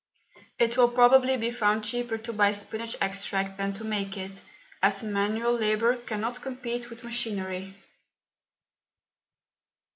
It will probably be found cheaper to buy spinach extract than to make it, as manual labour cannot compete with machinery.